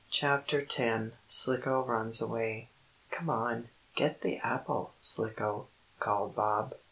CHAPTER X SLICKO RUNS AWAY "Come on, get the apple, Slicko!" called Bob.